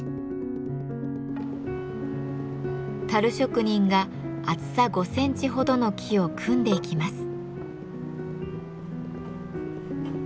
樽職人が厚さ５センチほどの木を組んでいきます。